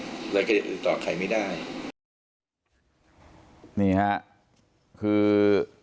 นี่ครับคือ